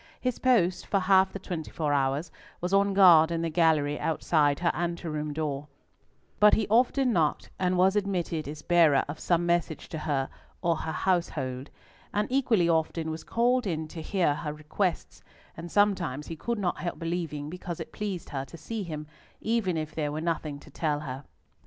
His post, for half the twenty four hours, was on guard in the gallery outside her anteroom door; but he often knocked and was admitted as bearer of some message to her or her household; and equally often was called in to hear her requests, and sometimes he could not help believing because it pleased her to see him, even if there were nothing to tell her.